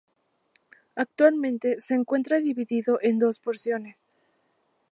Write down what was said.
Actualmente se encuentra dividido en dos porciones.